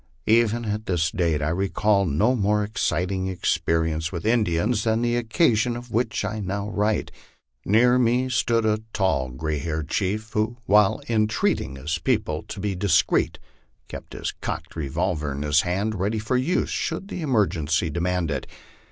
Even at this date I recall no more exciting experience with Indians than the occasion of which I now write. Near me stood a tall, gray haired chief, who, while entreating his people to be discreet, kept his cocked revolver in his hand ready for use, should the emergency demand it.